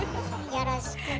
よろしくね。